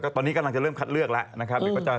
ตอนนี้กำลังจะเริ่มคัดเลือกแล้วนะครับ